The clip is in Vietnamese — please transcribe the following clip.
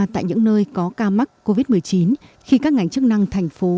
tại những nơi có ca mắc covid một mươi chín khi các ngành chức năng thành phố